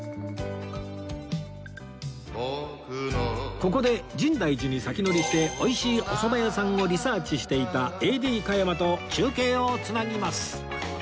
ここで深大寺に先乗りして美味しいおそば屋さんをリサーチしていた ＡＤ 加山と中継を繋ぎます